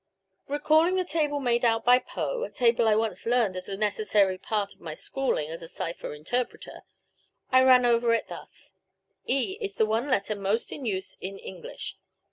Recalling the table made out by Poe a table I once learned as a necessary part of my schooling as a cipher interpreter I ran over it thus: e is the one letter most in use in English.